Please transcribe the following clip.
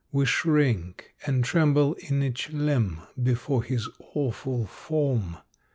We shrink and tremble in each limb Before his awful form.